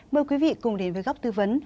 mời quý vị cùng đến với góc tư vấn